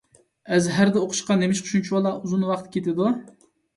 ئەزھەردە ئوقۇشقا نېمىشقا شۇنچىۋالا ئۇزۇن ۋاقىت كېتىدۇ؟